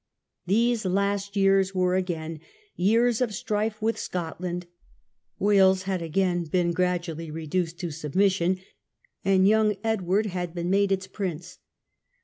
These last years were again years of strife with Scotland, Wales had again been gradually reduced to submission, and young Edward had been made its prince.